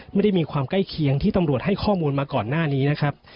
ไม่ได้มีความใกล้เคียงที่ตำรวจให้ข้อมูลมาก่อนหน้านี้นะครับ